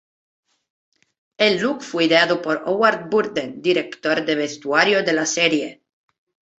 El "look" fue ideado por Howard Burden, director de vestuario de la serie.